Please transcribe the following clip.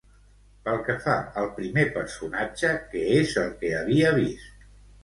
Pel que fa al primer personatge, què és el que havia vist?